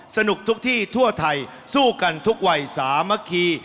สนุกทุกที่ทั่วไทยสู้กันทุกวัยสามัคคี